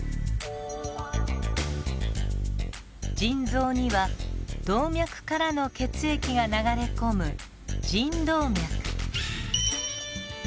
腎臓には動脈からの血液が流れ込む腎動脈。